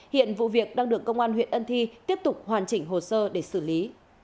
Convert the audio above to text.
hiện vụ việc đang được công an huyện ân thi tiếp tục hoàn chỉnh hồ sơ để xử lý